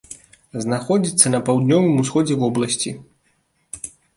Знаходзіцца на паўднёвым усходзе вобласці.